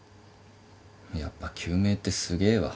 やっぱ救命ってすげえわ。